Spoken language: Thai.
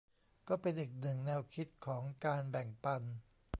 ก็เป็นอีกหนึ่งแนวคิดของการแบ่งปัน